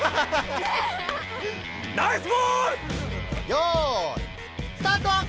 よいスタート！